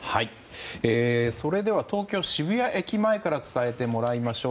東京・渋谷駅前から伝えてもらいましょう。